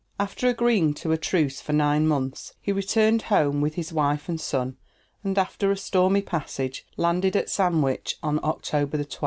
After agreeing to a truce for nine months, he returned home with his wife and son, and after a stormy passage, landed at Sandwich on October 12.